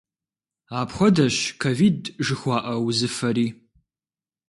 Апхуэдэщ ковид жыхуаӏэ узыфэри.